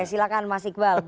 silahkan mas iqbal